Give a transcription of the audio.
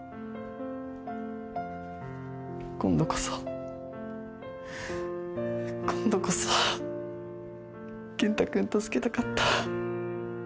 今度こそ今度こそ健太君助けたかった。